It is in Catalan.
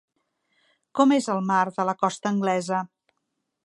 Com és el mar de la costa anglesa?